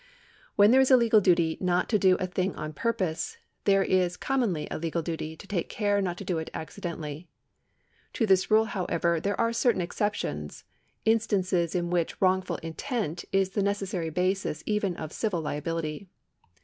When there is a legal duty not to do a thing on purpose, there is commonly a legal duty to take care not to do it accidentally. To this rule, however, there are certain exceptions — instances in which wrongful intent is the necessary basis even of civil liability.